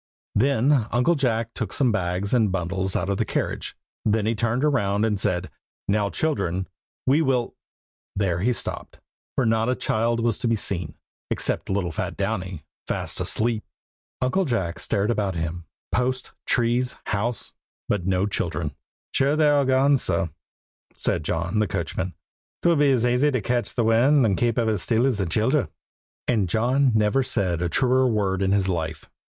Then Uncle Jack took some bags and bundles out of the carriage; then he turned round and said "Now, children, we will" There he stopped, for not a child was to be seen, except little fat Downy, fast asleep. Uncle Jack stared about him. Posts, trees, house, but no children. "Sure they're all gone, surr," said John the coachman. "'Twould be as aisy to ketch the wind and kape it still as thim childher." And John never said a truer word in his life.